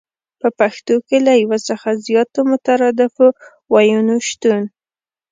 په پښتو کې له يو څخه زياتو مترادفو ويونو شتون